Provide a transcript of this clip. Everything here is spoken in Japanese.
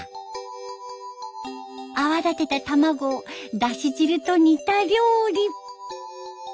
泡立てた卵をだし汁と煮た料理。